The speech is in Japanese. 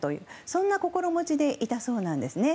そんな心持ちでいたそうなんですね。